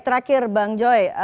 terakhir bang joy